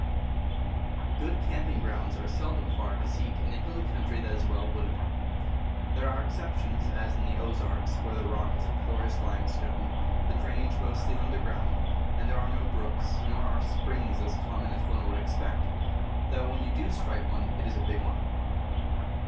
/^OOD camping grounds are seldom far to seek in ^^ a hilly country that is well wooded. There are exceptions, as in the Ozarks, where the rock is a porous limestone, the drainage mostly underground, and there are no brooks, nor are springs as common as one would expect, though when you do strike one it is a big one.